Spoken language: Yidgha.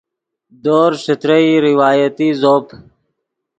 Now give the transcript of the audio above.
دورز ݯترئی روایتی زوپ